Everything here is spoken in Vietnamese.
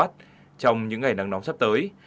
trong những ngày nắng nóng sắp tới